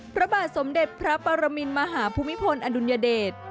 พระบาทสมเด็จพระปรมินมหาภูมิพลอดุลยเดช